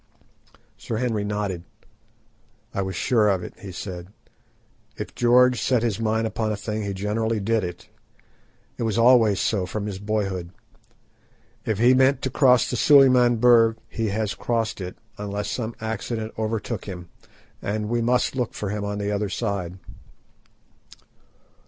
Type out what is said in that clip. Sir Henry nodded. "I was sure of it," he said. "If George set his mind upon a thing he generally did it. It was always so from his boyhood. If he meant to cross the Suliman Berg he has crossed it, unless some accident overtook him, and we must look for him on the other side."